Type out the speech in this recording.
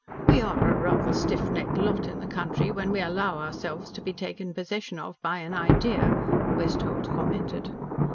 "We are rather a stiff necked lot in the country when we allow ourselves to be taken possession of by an idea," Westholt commented.